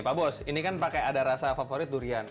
pak bos ini kan pakai ada rasa favorit durian